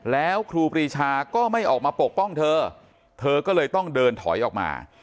แล้วครูปรีชาก็ไม่ออกมาปกป้องเธอเธอก็เลยต้องเดินถอยออกมา